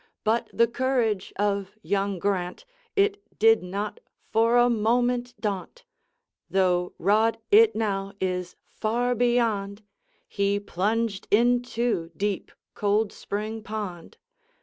But the courage of young Grant, It did not for a moment daunt, Though rod it now is far beyond, He plunged into deep, cold spring pond.